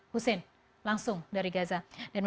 hussein langsung dari gaza